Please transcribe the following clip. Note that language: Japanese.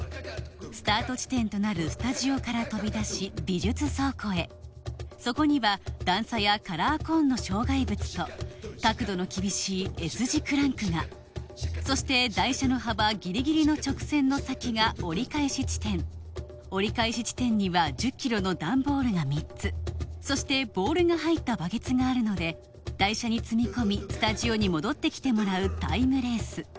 スタート地点となるスタジオから飛び出し美術倉庫へそこには段差やコーンの障害物と角度の厳しいＳ字クランクがそして台車の幅ギリギリの直線の先が折り返し地点折り返し地点には１０キロのダンボールが３つそしてボールが入ったバケツがあるので台車に積み込みスタジオに戻ってきてもらうタイムレース